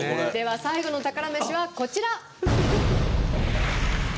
最後の宝メシは、こちら！